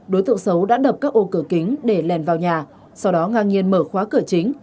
đối tượng xấu đã đập các ô cửa kính để lèn vào nhà sau đó ngang nhiên mở khóa cửa chính